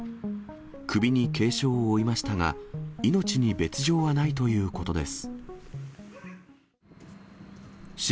首に軽傷を負いましたが、命に別状はないということです。